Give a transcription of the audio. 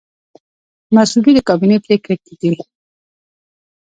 مصوبې د کابینې پریکړې دي